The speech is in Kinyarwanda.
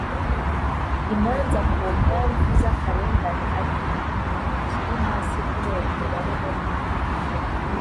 imanza ku mpamvu z akarengane ariko ku gipimo kiri hasi kubera umubare munini